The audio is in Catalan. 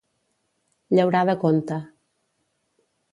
Llaurar de conte.